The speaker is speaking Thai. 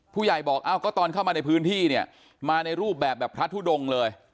ผู้ใหญ่บอกเอ้าก็ตอนเข้ามาในพื้นที่เนี่ยมาในรูปแบบแบบพระทุดงเลย